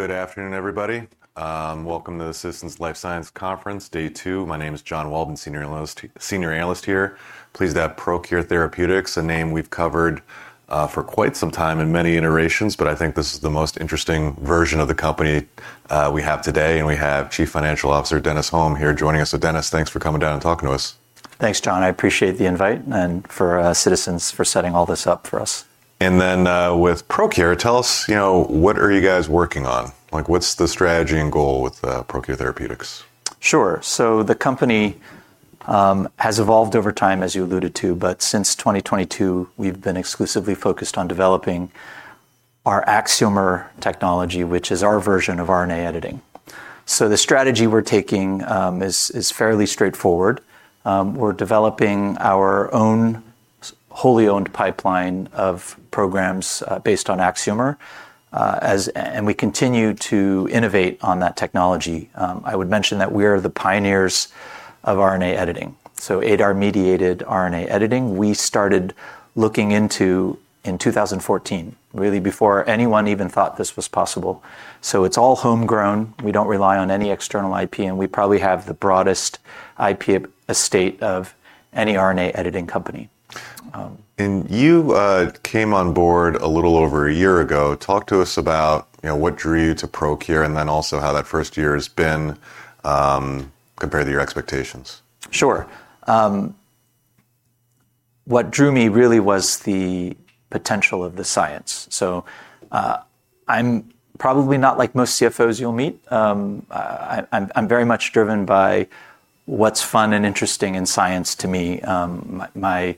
Good afternoon, everybody. Welcome to the Citizens Life Sciences Conference, day two. My name is John Walden, Senior Analyst here. Pleased to have ProQR Therapeutics, a name we've covered for quite some time in many iterations, but I think this is the most interesting version of the company we have today, and we have Chief Financial Officer Dennis Hom here joining us. Dennis, thanks for coming down and talking to us. Thanks, John. I appreciate the invite, and Citizens for setting all this up for us. With ProQR, tell us, you know, what are you guys working on? Like, what's the strategy and goal with ProQR Therapeutics? Sure. The company has evolved over time, as you alluded to, but since 2022, we've been exclusively focused on developing our Axiomer technology, which is our version of RNA editing. The strategy we're taking is fairly straightforward. We're developing our own wholly owned pipeline of programs, based on Axiomer, and we continue to innovate on that technology. I would mention that we're the pioneers of RNA editing. ADAR-mediated RNA editing, we started looking into in 2014, really before anyone even thought this was possible. It's all homegrown. We don't rely on any external IP, and we probably have the broadest IP estate of any RNA editing company. You came on board a little over a year ago. Talk to us about, you know, what drew you to ProQR, and then also how that first year has been, compared to your expectations. What drew me really was the potential of the science. I'm probably not like most CFOs you'll meet. I'm very much driven by what's fun and interesting in science to me. My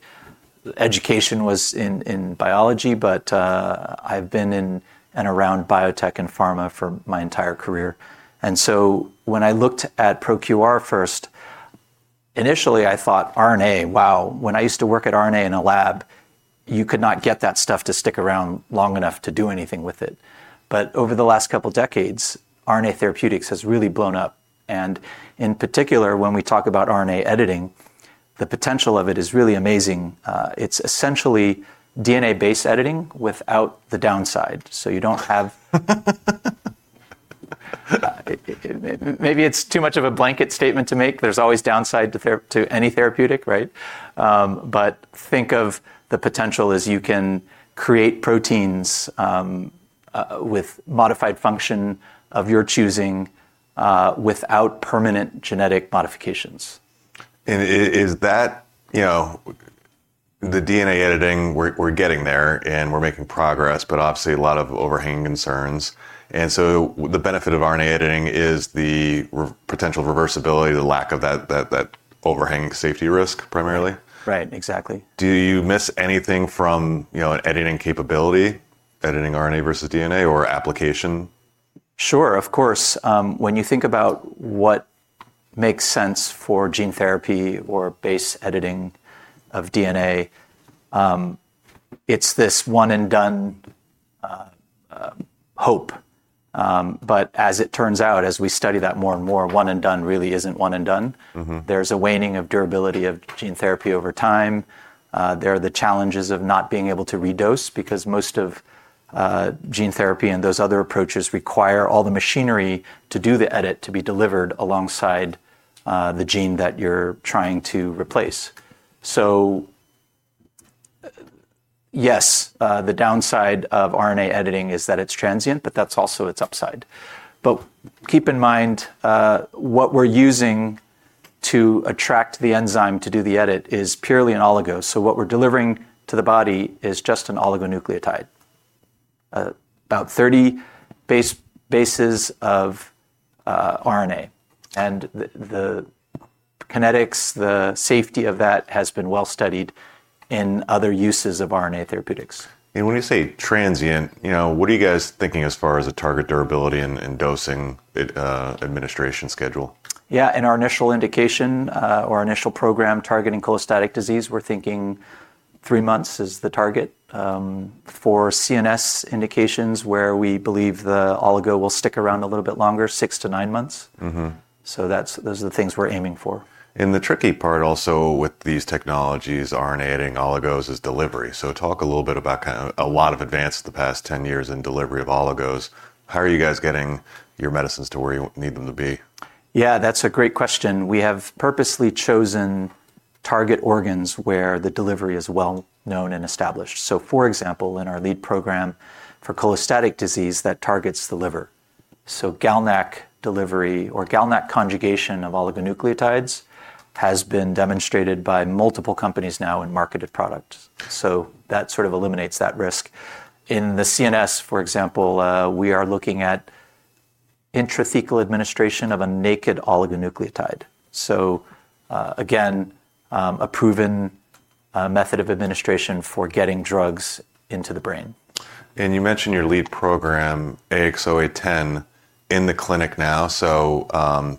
education was in biology, but I've been in and around biotech and pharma for my entire career. When I looked at ProQR first, initially, I thought, "RNA, wow." When I used to work with RNA in a lab, you could not get that stuff to stick around long enough to do anything with it. Over the last couple decades, RNA therapeutics has really blown up, and in particular, when we talk about RNA editing, the potential of it is really amazing. It's essentially DNA-based editing without the downside. You don't have. Maybe it's too much of a blanket statement to make. There's always downside to any therapeutic, right? Think of the potential as you can create proteins with modified function of your choosing without permanent genetic modifications. Is that, you know, the DNA editing? We're getting there, and we're making progress, but obviously a lot of overhanging concerns. The benefit of RNA editing is the potential reversibility, the lack of that overhanging safety risk primarily? Right. Exactly. Do you miss anything from, you know, an editing capability, editing RNA versus DNA or application? Sure, of course. When you think about what makes sense for gene therapy or base editing of DNA, it's this one and done hope. As it turns out, as we study that more and more, one and done really isn't one and done. Mm-hmm. There's a waning of durability of gene therapy over time. There are the challenges of not being able to redose because most of gene therapy and those other approaches require all the machinery to do the edit to be delivered alongside the gene that you're trying to replace. Yes, the downside of RNA editing is that it's transient, but that's also its upside. Keep in mind, what we're using to attract the enzyme to do the edit is purely an oligo. What we're delivering to the body is just an oligonucleotide, about 30 bases of RNA, and the kinetics, the safety of that has been well studied in other uses of RNA therapeutics. When you say transient, you know, what are you guys thinking as far as a target durability and dosing it, administration schedule? Yeah. In our initial indication, or initial program targeting cholestatic disease, we're thinking three months is the target. For CNS indications where we believe the oligo will stick around a little bit longer, six to nine months. Mm-hmm. Those are the things we're aiming for. The tricky part also with these technologies, RNA editing, oligos, is delivery. Talk a little bit about kind of a lot of advances the past 10 years in delivery of oligos. How are you guys getting your medicines to where you need them to be? Yeah, that's a great question. We have purposely chosen target organs where the delivery is well known and established. For example, in our lead program for cholestatic disease, that targets the liver. GalNAc delivery or GalNAc conjugation of oligonucleotides has been demonstrated by multiple companies now in marketed product. That sort of eliminates that risk. In the CNS, for example, we are looking at intrathecal administration of a naked oligonucleotide. Again, a proven method of administration for getting drugs into the brain. You mentioned your lead program, AX-0810 in the clinic now.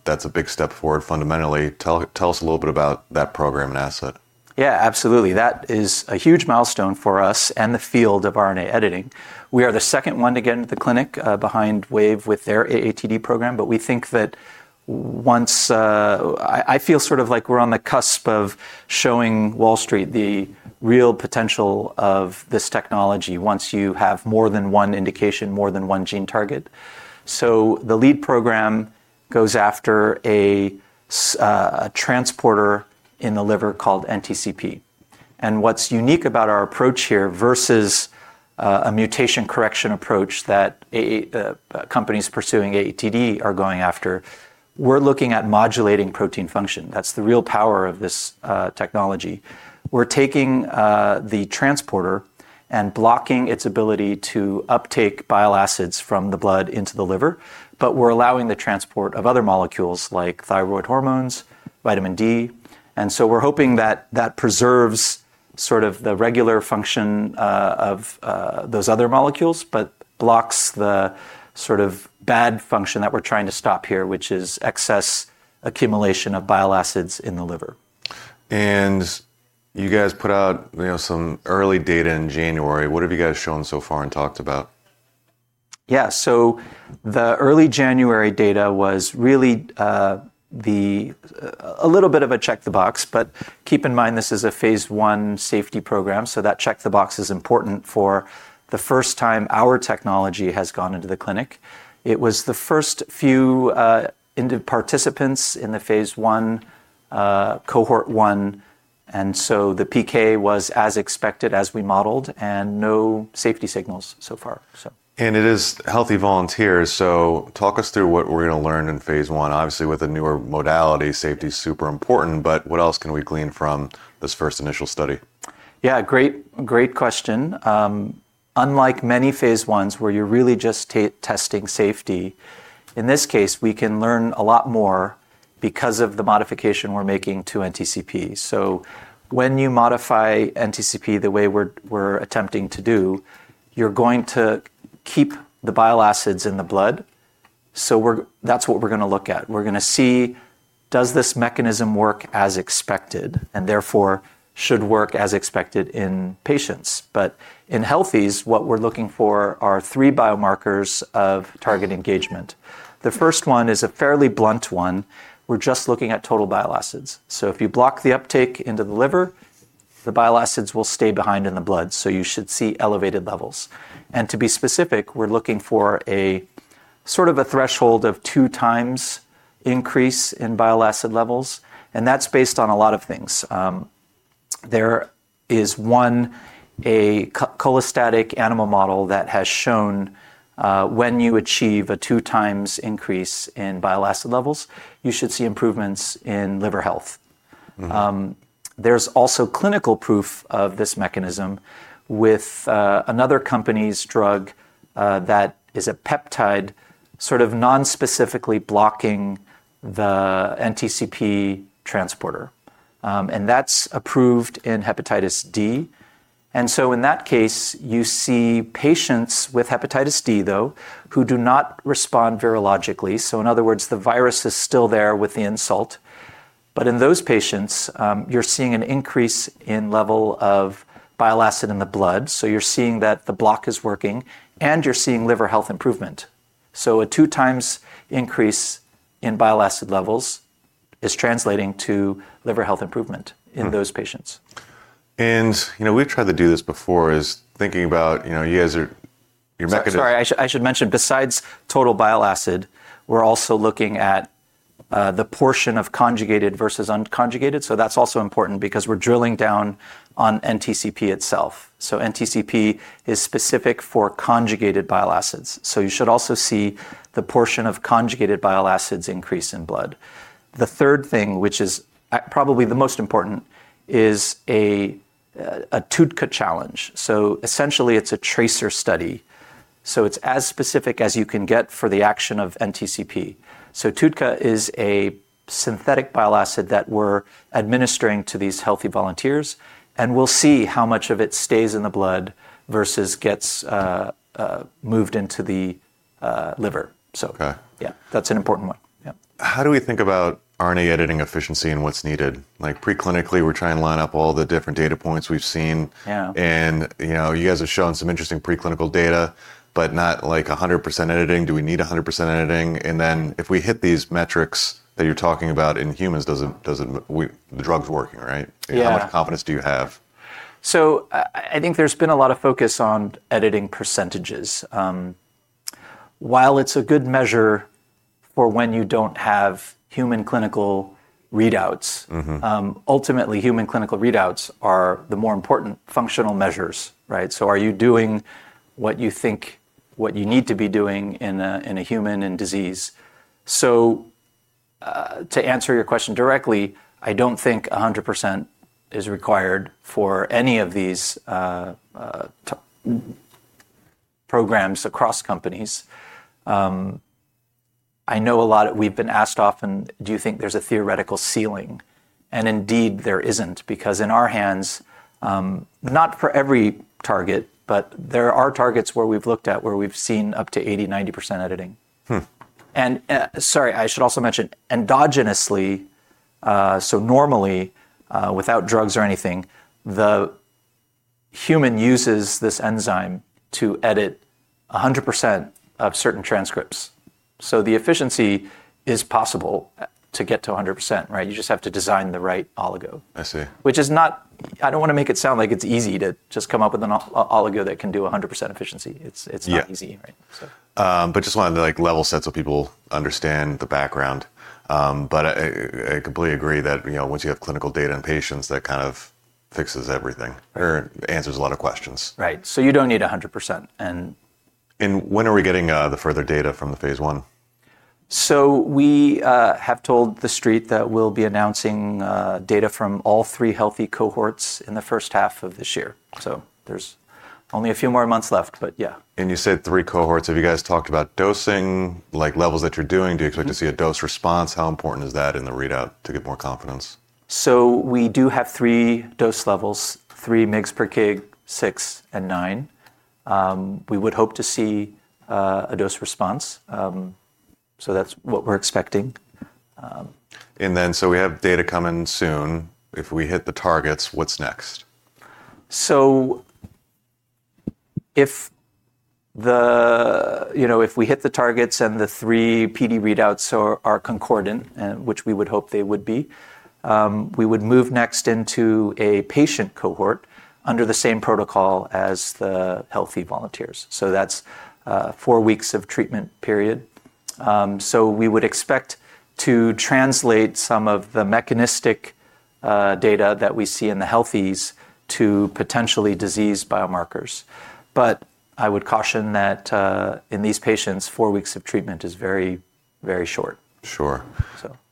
That's a big step forward fundamentally. Tell us a little bit about that program and asset. Yeah, absolutely. That is a huge milestone for us and the field of RNA editing. We are the second one to get into the clinic, behind Wave with their AATD program. We think that once, I feel sort of like we're on the cusp of showing Wall Street the real potential of this technology once you have more than one indication, more than one gene target. The lead program goes after a transporter in the liver called NTCP. What's unique about our approach here versus a mutation correction approach that companies pursuing AATD are going after, we're looking at modulating protein function. That's the real power of this technology. We're taking the transporter and blocking its ability to uptake bile acids from the blood into the liver, but we're allowing the transport of other molecules like thyroid hormones, vitamin D. We're hoping that that preserves sort of the regular function of those other molecules, but blocks the sort of bad function that we're trying to stop here, which is excess accumulation of bile acids in the liver. You guys put out, you know, some early data in January. What have you guys shown so far and talked about? Yeah, the early January data was really a little bit of a check the box, but keep in mind this is a phase I safety program, so that check the box is important for the first time our technology has gone into the clinic. It was the first few participants in the phase I cohort I, and the PK was as expected as we modeled and no safety signals so far. It is healthy volunteers, so talk us through what we're gonna learn in phase I. Obviously, with a newer modality, safety's super important, but what else can we glean from this first initial study? Yeah, great question. Unlike many phase Is where you're really just testing safety, in this case, we can learn a lot more because of the modification we're making to NTCP. When you modify NTCP the way we're attempting to do, you're going to keep the bile acids in the blood, that's what we're gonna look at. We're gonna see does this mechanism work as expected, and therefore, should work as expected in patients. In healthies, what we're looking for are three biomarkers of target engagement. The first one is a fairly blunt one. We're just looking at total bile acids. If you block the uptake into the liver, the bile acids will stay behind in the blood, so you should see elevated levels. To be specific, we're looking for a sort of a threshold of 2x increase in bile acid levels, and that's based on a lot of things. There is one, cholestatic animal model that has shown, when you achieve a 2x increase in bile acid levels, you should see improvements in liver health. Mm-hmm. There's also clinical proof of this mechanism with another company's drug that is a peptide sort of non-specifically blocking the NTCP transporter. That's approved in hepatitis D. In that case, you see patients with hepatitis D, though, who do not respond virologically. In other words, the virus is still there with the insult. In those patients, you're seeing an increase in level of bile acid in the blood, so you're seeing that the block is working, and you're seeing liver health improvement. A 2x increase in bile acid levels is translating to liver health improvement in those patients. You know, we've tried to do this before is thinking about, you know, you guys are, your mechanism. Sorry, I should mention besides total bile acid, we're also looking at the portion of conjugated versus unconjugated. That's also important because we're drilling down on NTCP itself. NTCP is specific for conjugated bile acids, so you should also see the portion of conjugated bile acids increase in blood. The third thing, which is probably the most important, is a TUDCA challenge. Essentially, it's a tracer study. It's as specific as you can get for the action of NTCP. TUDCA is a synthetic bile acid that we're administering to these healthy volunteers, and we'll see how much of it stays in the blood versus gets moved into the liver. Okay. Yeah. That's an important one. Yep. How do we think about RNA editing efficiency and what's needed? Like preclinically, we're trying to line up all the different data points we've seen. Yeah. You know, you guys have shown some interesting preclinical data, but not like 100% editing. Do we need 100% editing? If we hit these metrics that you're talking about in humans, does it the drug's working, right? Yeah. How much confidence do you have? I think there's been a lot of focus on editing percentages. While it's a good measure for when you don't have human clinical readouts. Mm-hmm Ultimately, human clinical readouts are the more important functional measures, right? Are you doing what you think you need to be doing in a human in disease? To answer your question directly, I don't think 100% is required for any of these programs across companies. We've been asked often, "Do you think there's a theoretical ceiling?" Indeed, there isn't, because in our hands, not for every target, but there are targets where we've looked at where we've seen up to 80%-90% editing. Hmm. Sorry, I should also mention endogenously, so normally, without drugs or anything, the human uses this enzyme to edit 100% of certain transcripts. The efficiency is possible to get to 100%, right? You just have to design the right oligo. I see. I don't wanna make it sound like it's easy to just come up with an oligo that can do 100% efficiency. Yeah It's not easy, right? So. Just wanted to like level set so people understand the background. I completely agree that, you know, once you have clinical data in patients, that kind of fixes everything or answers a lot of questions. Right. You don't need 100% and- When are we getting the further data from the phase I? We have told the street that we'll be announcing data from all three healthy cohorts in the first half of this year. There's only a few more months left, but yeah. You said three cohorts. Have you guys talked about dosing, like levels that you're doing? Do you expect to see a dose response? How important is that in the readout to get more confidence? We do have three dose levels, 3 mg/kg, 6 mg/kg and 9 mg/kg. We would hope to see a dose response. That's what we're expecting. We have data coming soon. If we hit the targets, what's next? If we hit the targets and the three PD readouts are concordant, which we would hope they would be, we would move next into a patient cohort under the same protocol as the healthy volunteers. That's four weeks of treatment period. We would expect to translate some of the mechanistic data that we see in the healthies to potentially disease biomarkers. I would caution that in these patients, four weeks of treatment is very, very short. Sure.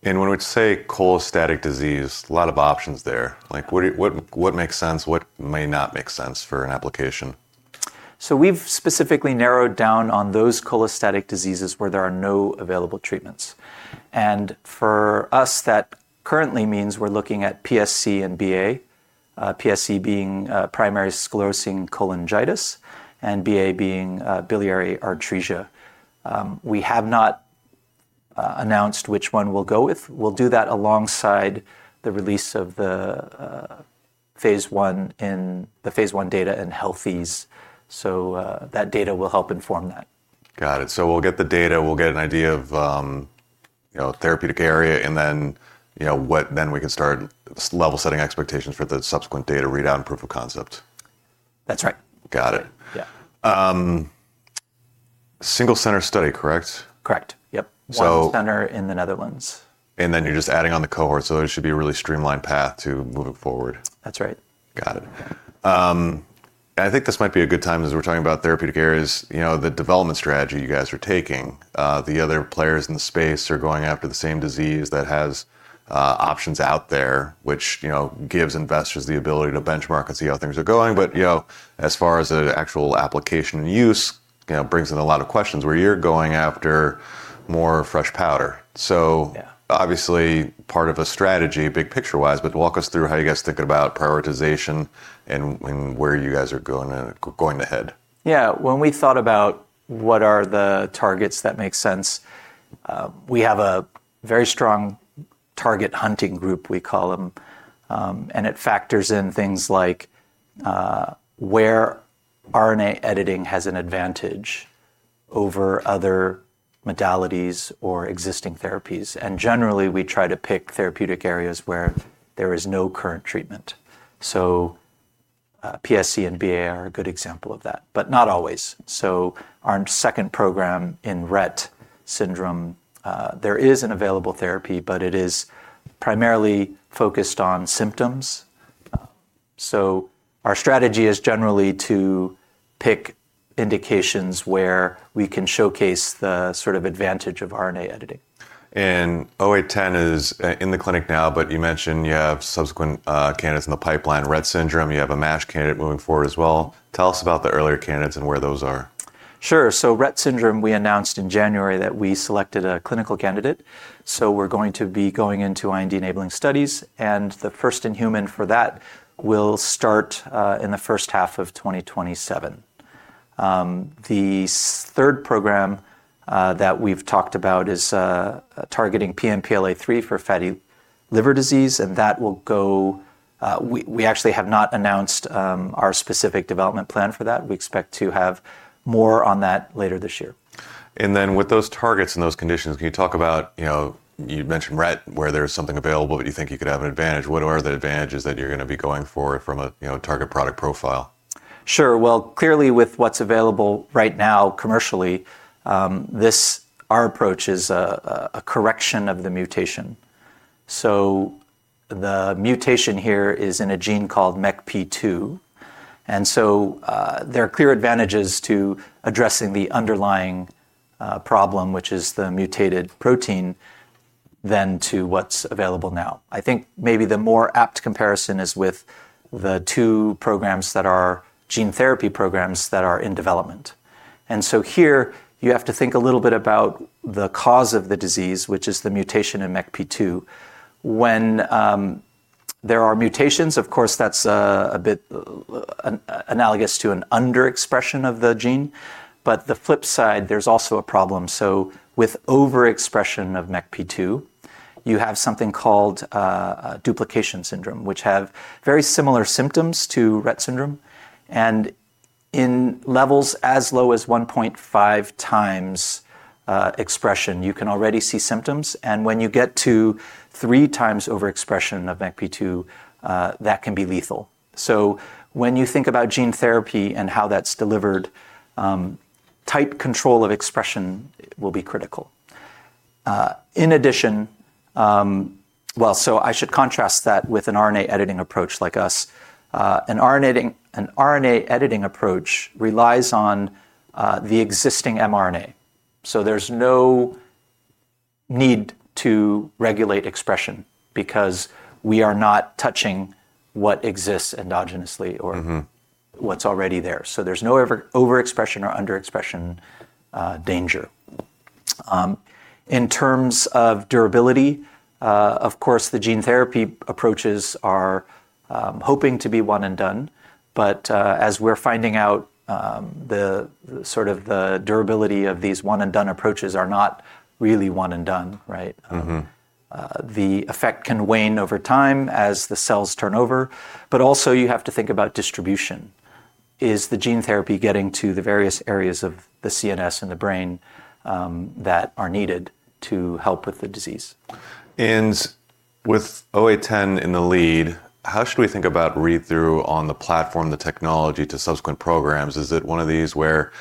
So. When we say cholestatic disease, a lot of options there. Like what makes sense, what may not make sense for an application? We've specifically narrowed down on those cholestatic diseases where there are no available treatments. For us, that currently means we're looking at PSC and BA. PSC being primary sclerosing cholangitis, and BA being biliary atresia. We have not announced which one we'll go with. We'll do that alongside the release of the phase I and the phase I data in healthies. That data will help inform that. Got it. We'll get the data, we'll get an idea of, you know, therapeutic area and then, you know, what then we can start level setting expectations for the subsequent data readout and proof of concept. That's right. Got it. Yeah. Single center study, correct? Correct. Yep. So- One center in the Netherlands. You're just adding on the cohort, so it should be a really streamlined path to moving forward. That's right. Got it. I think this might be a good time as we're talking about therapeutic areas, you know, the development strategy you guys are taking, the other players in the space are going after the same disease that has options out there, which, you know, gives investors the ability to benchmark and see how things are going. You know, as far as the actual application use, you know, brings in a lot of questions where you're going after more fresh powder. Yeah Obviously part of a strategy big picture wise, but walk us through how you guys think about prioritization and where you guys are going ahead? Yeah. When we thought about what are the targets that make sense, we have a very strong target hunting group, we call them. It factors in things like, where RNA editing has an advantage over other modalities or existing therapies. Generally, we try to pick therapeutic areas where there is no current treatment. PSC and BA are a good example of that, but not always. Our second program in Rett syndrome, there is an available therapy, but it is primarily focused on symptoms. Our strategy is generally to pick indications where we can showcase the sort of advantage of RNA editing. AX-0810 is in the clinic now, but you mentioned you have subsequent candidates in the pipeline, Rett syndrome, you have a MASH candidate moving forward as well. Tell us about the earlier candidates and where those are. Sure. Rett syndrome, we announced in January that we selected a clinical candidate, so we're going to be going into IND-enabling studies, and the first in human for that will start in the first half of 2027. The third program that we've talked about is targeting PNPLA3 for fatty liver disease, and we actually have not announced our specific development plan for that. We expect to have more on that later this year. With those targets and those conditions, can you talk about, you know, you mentioned Rett, where there's something available that you think you could have an advantage. What are the advantages that you're gonna be going forward from a, you know, target product profile? Sure. Well, clearly with what's available right now commercially, our approach is a correction of the mutation. The mutation here is in a gene called MECP2. There are clear advantages to addressing the underlying problem, which is the mutated protein than to what's available now. I think maybe the more apt comparison is with the two programs that are gene therapy programs that are in development. Here you have to think a little bit about the cause of the disease, which is the mutation in MECP2. When there are mutations, of course, that's a bit analogous to an under-expression of the gene. The flip side, there's also a problem. With overexpression of MECP2, you have something called MECP2 duplication syndrome, which have very similar symptoms to Rett syndrome. In levels as low as 1.5x expression, you can already see symptoms, and when you get to 3x overexpression of MECP2, that can be lethal. When you think about gene therapy and how that's delivered, tight control of expression will be critical. In addition, well, I should contrast that with an RNA editing approach like us. An RNA editing approach relies on the existing mRNA, so there's no need to regulate expression because we are not touching what exists endogenously or Mm-hmm What's already there. There's no overexpression or underexpression danger. In terms of durability, of course, the gene therapy approaches are hoping to be one and done, but as we're finding out, the sort of the durability of these one and done approaches are not really one and done, right? Mm-hmm. The effect can wane over time as the cells turn over, but also you have to think about distribution. Is the gene therapy getting to the various areas of the CNS and the brain, that are needed to help with the disease? With AX-0810 in the lead, how should we think about read-through on the platform, the technology to subsequent programs? Is it one of these where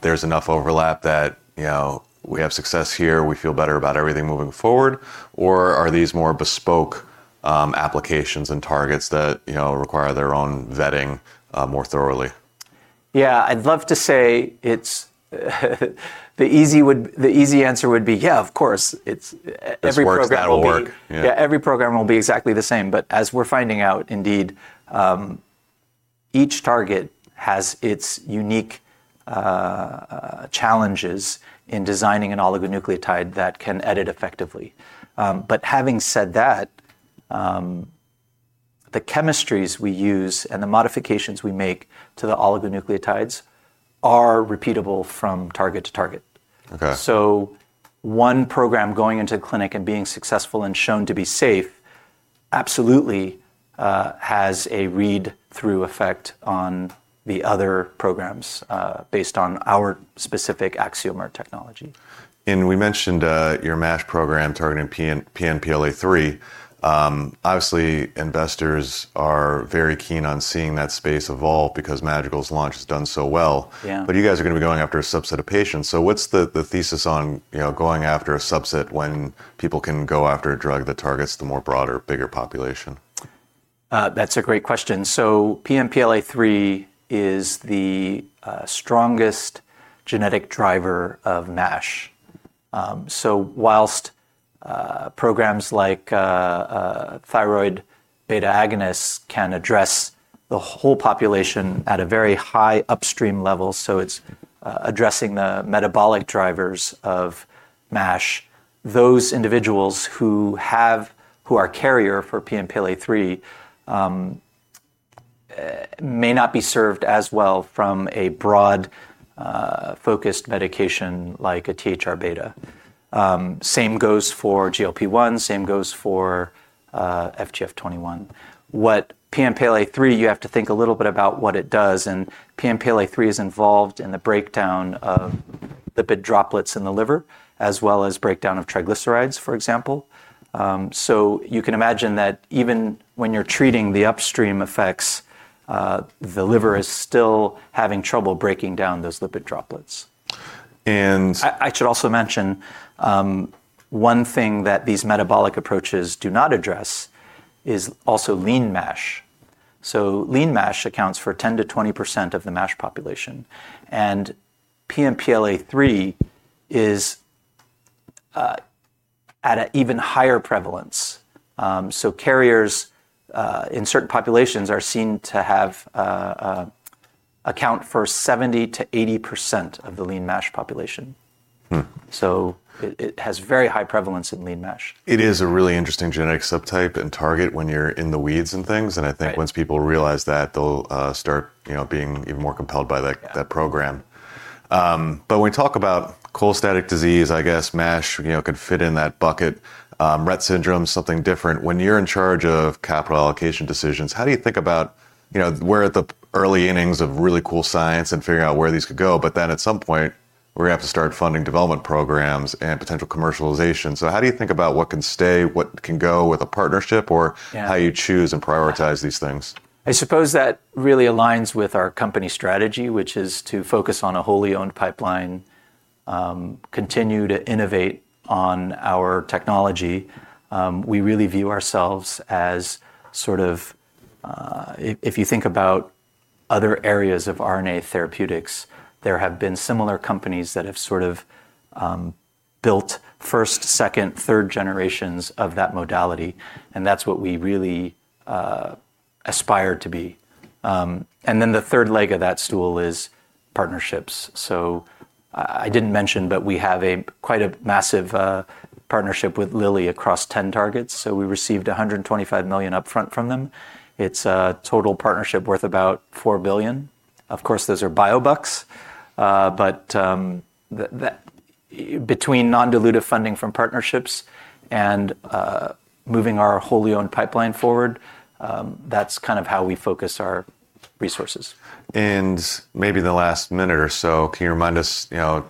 there's enough overlap that, you know, we have success here, we feel better about everything moving forward, or are these more bespoke applications and targets that, you know, require their own vetting more thoroughly? Yeah, I'd love to say it's the easy answer would be, "Yeah, of course. It's every program will be- This works, that'll work. Yeah. Yeah, every program will be exactly the same. As we're finding out, indeed, each target has its unique challenges in designing an oligonucleotide that can edit effectively. Having said that, the chemistries we use and the modifications we make to the oligonucleotides are repeatable from target to target. Okay. One program going into clinic and being successful and shown to be safe absolutely has a read-through effect on the other programs based on our specific Axiomer technology. We mentioned your MASH program targeting PNPLA3. Obviously, investors are very keen on seeing that space evolve because Madrigal's launch has done so well. Yeah. You guys are gonna be going after a subset of patients. What's the thesis on, you know, going after a subset when people can go after a drug that targets the more broader, bigger population? That's a great question. PNPLA3 is the strongest genetic driver of MASH. While programs like THR-β agonists can address the whole population at a very high upstream level, it's addressing the metabolic drivers of MASH, those individuals who are carrier for PNPLA3 may not be served as well from a broad, focused medication like a THR-β. Same goes for GLP-1, same goes for FGF21. With PNPLA3, you have to think a little bit about what it does, and PNPLA3 is involved in the breakdown of the big droplets in the liver, as well as breakdown of triglycerides, for example. You can imagine that even when you're treating the upstream effects, the liver is still having trouble breaking down those lipid droplets. And- I should also mention one thing that these metabolic approaches do not address is also lean MASH. Lean MASH accounts for 10%-20% of the MASH population, and PNPLA3 is at an even higher prevalence. Carriers in certain populations are seen to account for 70%-80% of the lean MASH population. Hmm. It has very high prevalence in lean MASH. It is a really interesting genetic subtype and target when you're in the weeds and things. Right. I think once people realize that, they'll start, you know, being even more compelled by like that program. But when we talk about cholestatic disease, I guess MASH, you know, could fit in that bucket, Rett syndrome, something different. When you're in charge of capital allocation decisions, how do you think about, you know, we're at the early innings of really cool science and figuring out where these could go, but then at some point, we're gonna have to start funding development programs and potential commercialization. How do you think about what can stay, what can go with a partnership or- Yeah How do you choose and prioritize these things? I suppose that really aligns with our company strategy, which is to focus on a wholly owned pipeline, continue to innovate on our technology. We really view ourselves as sort of, if you think about other areas of RNA therapeutics, there have been similar companies that have sort of built first, second, third generations of that modality, and that's what we really aspire to be. And then the third leg of that stool is partnerships. I didn't mention, but we have quite a massive partnership with Lilly across 10 targets. We received $125 million upfront from them. It's a total partnership worth about $4 billion. Of course, those are biobucks. Between non-dilutive funding from partnerships and moving our wholly owned pipeline forward, that's kind of how we focus our resources. Maybe the last minute or so, can you remind us, you know,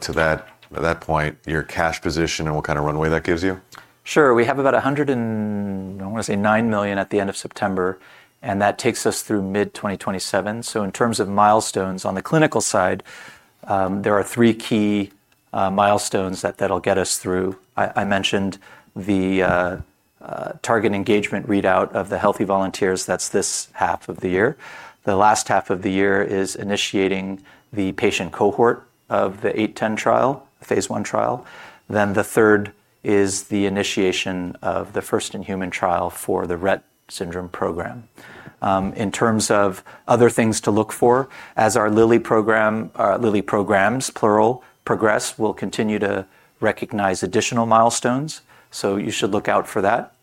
at that point, your cash position and what kind of runway that gives you? Sure. We have about 109 million at the end of September, and that takes us through mid-2027. In terms of milestones on the clinical side, there are three key milestones that'll get us through. I mentioned the target engagement readout of the healthy volunteers. That's this half of the year. The last half of the year is initiating the patient cohort of the 810 trial, phase I trial. The third is the initiation of the first-in-human trial for the Rett syndrome program. In terms of other things to look for, as our Lilly program, Lilly programs, plural, progress, we'll continue to recognize additional milestones, so you should look out for that.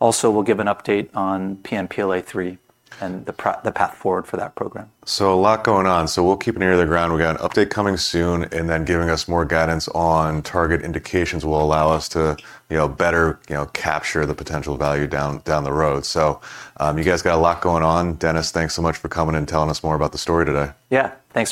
Also we'll give an update on PNPLA3 and the path forward for that program. A lot going on. We'll keep an ear to the ground. We got an update coming soon and then giving us more guidance on target indications will allow us to, you know, better, you know, capture the potential value down the road. You guys got a lot going on. Dennis, thanks so much for coming and telling us more about the story today. Yeah. Thanks for having me.